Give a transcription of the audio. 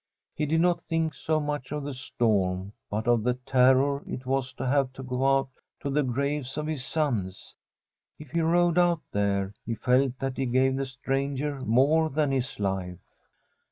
He did not think so much of the storm, but of the terror it was to have to go out to the graves of his sons. If he rowed out there, he felt that he gave the stranger more than his life.